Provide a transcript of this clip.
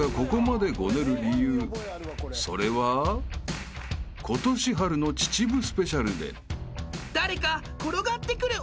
［それは今年春の秩父スペシャルで］